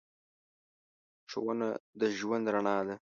ښوونه د ژوند رڼا ده.